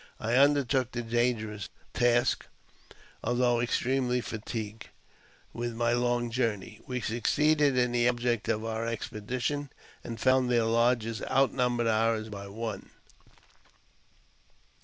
I undertook the dangerous task, although extremely fatigued with my long journey. We succeeded in the object of our expedition, and found their lodges outnumbered ours by one.